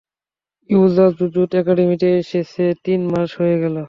Yuta jujutsu একাডেমীতে এসেছে তিন মাস হয়ে গেল।